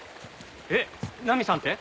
えっナミさんって？